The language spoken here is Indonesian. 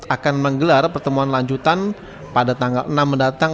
akan menggelar pertemuan lanjutan pada tanggal enam mendatang